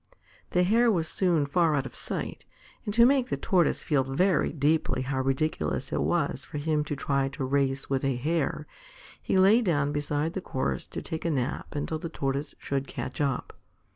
The Hare was soon far out of sight, and to make the Tortoise feel very deeply how ridiculous it was for him to try a race with a Hare, he lay down beside the course to take a nap until the Tortoise should catch up.